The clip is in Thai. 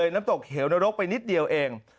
น้ำตกเหวนรกไปนิดเดียวเอง